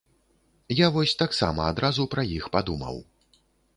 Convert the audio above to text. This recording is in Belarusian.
Я вось таксама адразу пра іх падумаў.